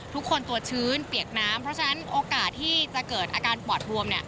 ทุกคนตัวชื้นเปียกน้ำเพราะฉะนั้นโอกาสที่จะเกิดอาการปอดบวม